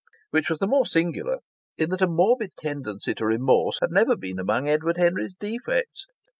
Which was the more singular in that a morbid tendency to remorse had never been among Edward Henry's defects!